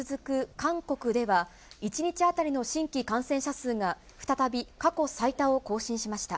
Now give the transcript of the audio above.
韓国では、１日当たりの新規感染者数が再び過去最多を更新しました。